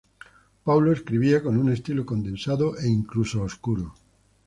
Paulo escribía con un estilo condensado e incluso oscuro.